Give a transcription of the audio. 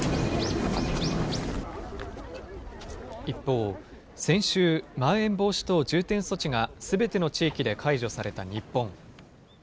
一方、先週、まん延防止等重点措置が、すべての地域で解除された日本。